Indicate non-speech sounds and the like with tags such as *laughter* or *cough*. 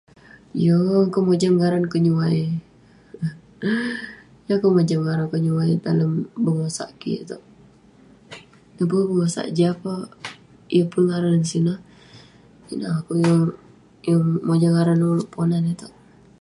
Yeng akouk mojam ngaran kenyuai. *laughs* Yeng akouk mojam ngaran kenyuai dalem bengosak kik itouk. Nak pun bengosak jah peh, yeng pun ngaran neh sineh. Ineh akouk yeng- yeng mojam ngaran neh nouk ulouk Ponan itouk.